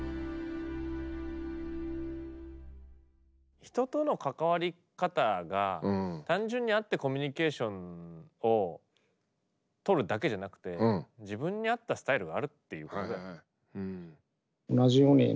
人との関わり方が単純に会ってコミュニケーションをとるだけじゃなくて自分に合ったスタイルがあるっていうことだよね。